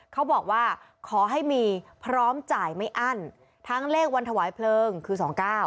เขาบอกว่าขอให้มีพร้อมจ่ายไม่อั้นทั้งเลขวันถวายเพลิงคือสองเก้า